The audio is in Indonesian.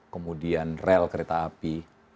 kemudian rel kereta api